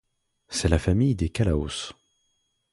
C'est la famille des calaos.